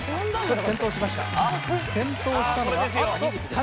転倒したのは。